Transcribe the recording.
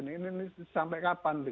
ini sampai kapan